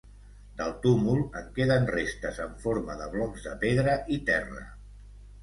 Del túmul en queden restes en forma de blocs de pedra i terra.